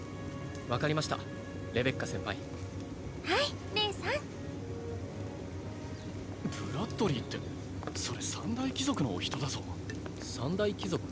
分かりましたレベッカ先輩はいレイさんブラッドリィってそれ三大貴族のお人だぞ三大貴族？